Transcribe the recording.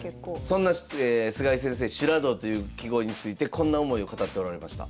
そんな菅井先生「修羅道」という揮毫についてこんな思いを語っておられました。